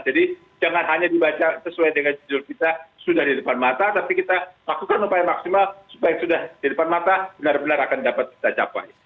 jadi jangan hanya dibaca sesuai dengan judul kita sudah di depan mata tapi kita lakukan upaya maksimal supaya sudah di depan mata benar benar akan dapat kita capai